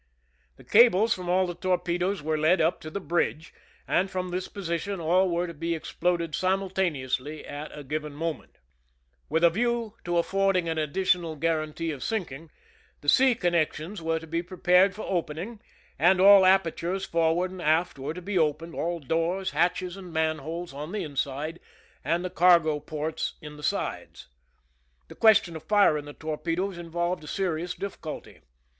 The cables from all the torpedoes were led up to the bridge, and from this position all were to be exploded simultaneously at a given moment. With a view to affording an additional guaranty of sinking, the sea connections were to be prepared for opening, and all apertures forward and aft were to be opened— all doors, hatches, and manholes on the inside, and the cargo ports in the sides. The question of firing the torpedoes involved a serious difficulty.